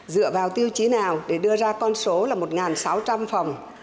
dựa vào tiêu chí nào để đưa ra con số là một sáu trăm linh phòng